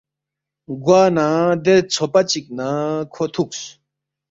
گوا نہ دے ژھوپا چِک نہ کھو تُھوکس